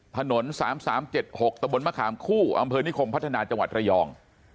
ถนน๓๓๗๖ตะบนมะขามคู่อำเภอนิคมพัฒนาจังหวัดระยอง